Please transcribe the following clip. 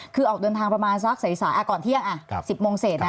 คือออกเดินทางประมาณสักสายก่อนเที่ยง๑๐โมงเศษนะ